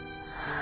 あ。